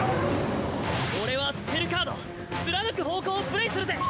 俺はスペルカード貫く咆哮をプレイするぜ。